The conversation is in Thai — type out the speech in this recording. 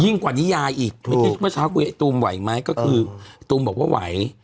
ยิ่งกว่านี้ยายอีกถูกไม่ที่เมื่อเช้าคุยกับตูมไหวไหมก็คือตูมบอกว่าไหว